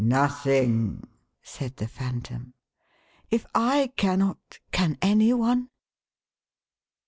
497 " Nothing,1' said the Phantom. " If I cannot, can any one